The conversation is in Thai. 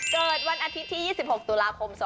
เกิดวันอาทิตย์ที่๒๖ตุลาคม๒๕๖